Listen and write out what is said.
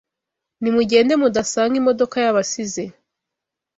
Nimugende mudasanga imodoka yabasize